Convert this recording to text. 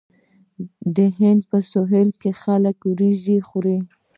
د هند په سویل کې خلک وریجې خوري.